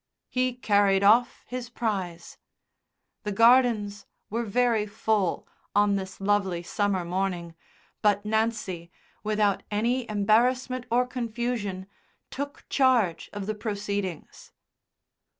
He carried off his prize. The gardens were very full on this lovely summer morning, but Nancy, without any embarrassment or confusion, took charge of the proceedings.